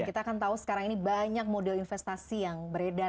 kita akan tahu sekarang ini banyak model investasi yang beredar